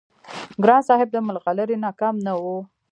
ګران صاحب د ملغلرې نه کم نه وو-